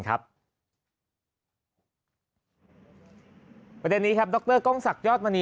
ประเด็นนี้ดรก้องซักยอดมณี